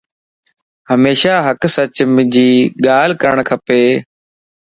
ھميشا ھق سچ جي ڳالھه ڪرڻ کپ